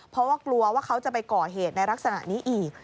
เพราะว่ากลัวว่าเขาจะไปก่อเหตุในลักษณะนี้อีก